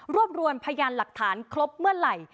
รวมรวมพยานหลักฐานครบเมื่อไหร่